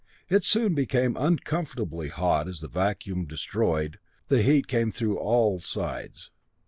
It soon became uncomfortably hot as, the vacuum destroyed, the heat came in through all sides.